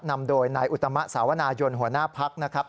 นำโดยนายอุตมะสาวนายนหัวหน้าพักนะครับ